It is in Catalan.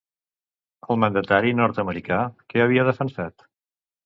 El mandatari nord-americà, què havia defensat?